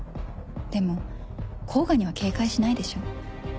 でも甲賀には警戒しないでしょ？